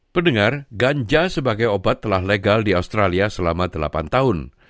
pendengar ganja sebagai obat telah legal di australia selama delapan tahun